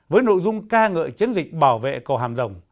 với nội dung ca ngợi chiến dịch bảo vệ cầu hàm rồng